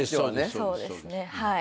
そうですねはい。